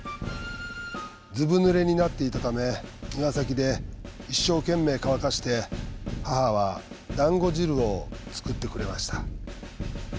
ずぶぬれになっていたため庭先で一生懸命乾かして母はだんご汁を作ってくれました。